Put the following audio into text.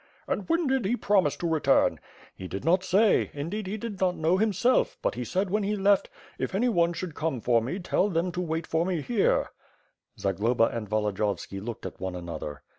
"And when did he promise to return?" "He did not say; indeed he did not know himself, but he said when he left, 4f any one should come for me, tell them to wait for me here/ " Zagloba and Volodiyoyski looked at one another.